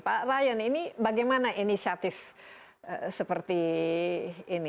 pak ryan ini bagaimana inisiatif seperti ini